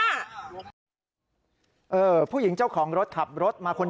เมื่อกี้หนูกดตังค่ะพี่หนูไม่ได้เติมน้ำมัน